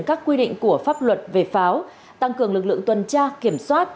các quy định của pháp luật về pháo tăng cường lực lượng tuần tra kiểm soát